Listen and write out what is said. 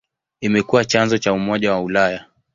Imekuwa chanzo cha Umoja wa Ulaya.